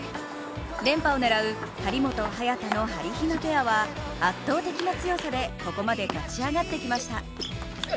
連覇を狙う張本・早田のはりひなペアは圧倒的な強さでここまで勝ち上がってきました。